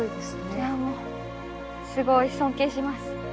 いやもうすごい尊敬します。